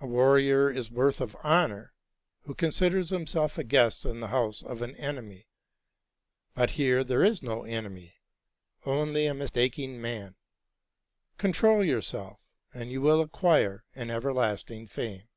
A warrior is worthy of honor, who considers himself a guest in the house of an enemy; but here there is no enemy, only a mistaking man. Control yourself, and you will acquire an everlasting fame."